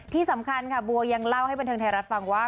ที่สำคัญค่ะบัวยังเล่าให้บันเทิงไทยรัฐฟังว่า